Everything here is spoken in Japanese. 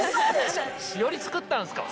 しおり作ったんすか？